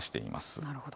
なるほど。